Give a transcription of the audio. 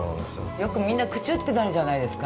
よく、みんなくちゅってなるじゃないですか。